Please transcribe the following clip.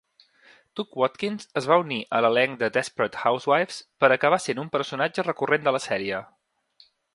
Tuc Watkins es va unir a l'elenc de "Desperate Housewives" per acabar sent un personatge recurrent de la sèrie.